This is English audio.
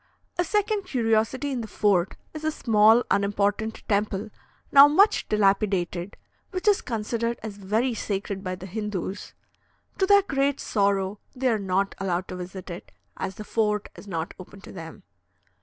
A second curiosity in the fort is a small unimportant temple, now much dilapidated, which is considered as very sacred by the Hindoos. To their great sorrow they are not allowed to visit it, as the fort is not open to them.